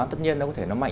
tất nhiên nó có thể nó mạnh